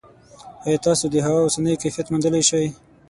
ایا تاسو د هوا اوسنی کیفیت موندلی شئ؟